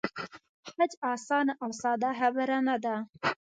حج آسانه او ساده خبره نه ده.